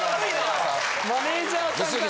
マネジャーさんから。